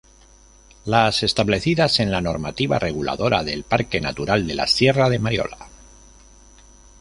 Las establecidas en la normativa reguladora del Parque natural de la Sierra de Mariola.